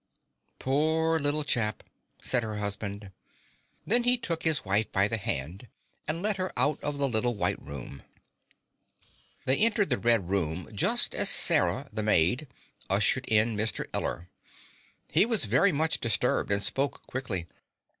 "Poor little chap," said her husband. Then he took his wife by the hand and led her out of the little white room. They entered the red room just as Sarah, the maid, ushered in Mr. Eller. He was very much disturbed and spoke quickly.